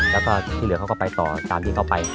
แล้วก็ที่เหลือเขาก็ไปต่อตามที่เขาไป